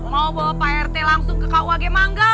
mau bawa pak rt langsung ke ku hg mangga